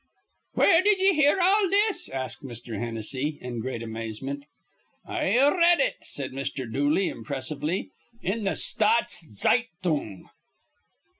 '" "Where did ye hear all this?" asked Mr. Hennessy, in great amazement. "I r read it," said Mr. Dooley, impressively, "in the Staats Zeitung."